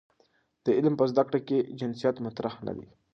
د علم په زده کړه کې جنسیت مطرح نه دی.